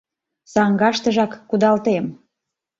Саҥгаштыжак кудалтем...